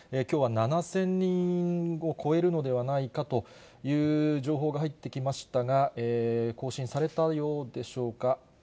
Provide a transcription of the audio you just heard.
きょうは７０００人を超えるのではないかという情報が入ってきましたが、更新されたようでしょうか。